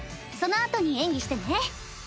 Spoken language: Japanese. そのあとに演技してね。